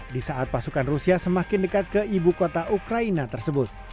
di saat pasukan rusia semakin dekat ke ibu kota ukraina tersebut